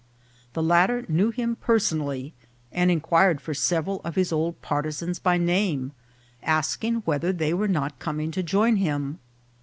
The latter knew him personally, and inquired for several of his old partisans by name, asking whether they were not com ing to join him.